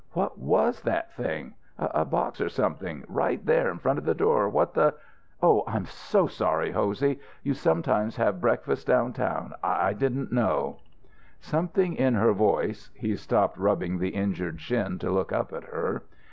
"What was that thing? A box or something, right there in front of the door. What the " "Oh, I'm so sorry, Hosey. You sometimes have breakfast downtown. I didn't know " Something in her voice he stopped rubbing the injured shin to look up at her.